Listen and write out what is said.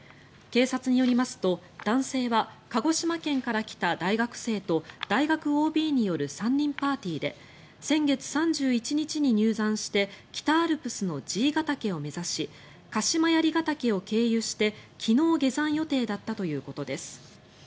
警察によりますと、男性は鹿児島県から来た大学生と大学ＯＢによる３人パーティーで先月３１日に入山して北アルプスの爺ケ岳を目指し鹿島槍ケ岳を経由して昨日、下山予定だったということです。